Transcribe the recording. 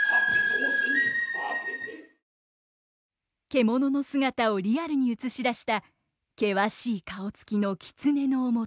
獣の姿をリアルに映し出した険しい顔つきの狐の面。